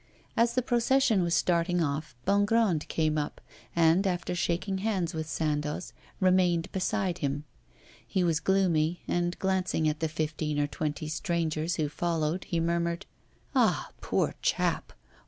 ED. As the procession was starting off, Bongrand came up, and, after shaking hands with Sandoz, remained beside him. He was gloomy, and, glancing at the fifteen or twenty strangers who followed, he murmured: 'Ah! poor chap!